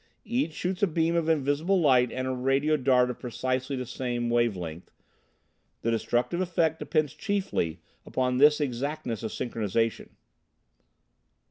Each shoots a beam of invisible light and a radio dart of precisely the same wave length. The destructive effect depends chiefly upon this exactness of synchronization."